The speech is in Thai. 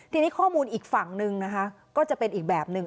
ทีนี้ข้อมูลอีกฝั่งนึงนะคะก็จะเป็นอีกแบบหนึ่ง